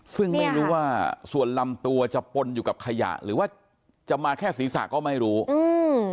ซึ่งไม่รู้ว่าส่วนลำตัวจะปนอยู่กับขยะหรือว่าจะมาแค่ศีรษะก็ไม่รู้อืม